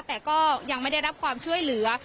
แต่ก็ยังไม่ได้รับความช่วยเหลือ